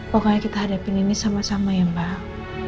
pokoknya kita hadapin ini sama sama ya mbak